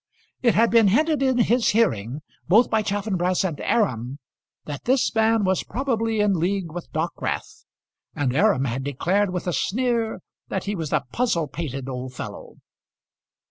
It had been hinted in his hearing, both by Chaffanbrass and Aram, that this man was probably in league with Dockwrath, and Aram had declared with a sneer that he was a puzzle pated old fellow.